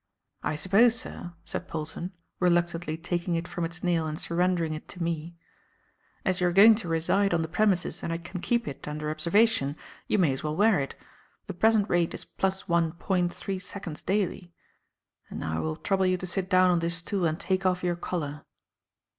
"I suppose, sir," said Polton, reluctantly taking it from its nail and surrendering it to me, "as you are going to reside on the premises and I can keep it under observation, you may as well wear it. The present rate is plus one point three seconds daily. And now I will trouble you to sit down on this stool and take off your collar."